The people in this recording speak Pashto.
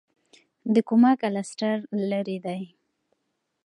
د کوما کلسټر لیرې دی.